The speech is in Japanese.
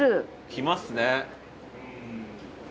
きますね。